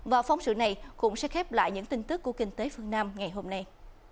và phóng sự này cũng sẽ khép lại những tin tức của kinh tế phương nam ngày hôm nay